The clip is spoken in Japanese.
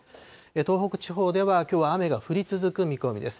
東北地方ではきょうは雨が降り続く見込みです。